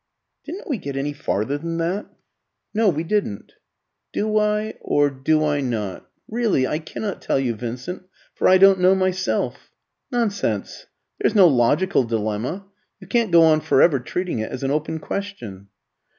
"Didn't we get any farther than that?" "No, we didn't." "Do I or do I not? Really I cannot tell you, Vincent, for I don't know myself." "Nonsense! there's no logical dilemma. You can't go on for ever treating it as an open question."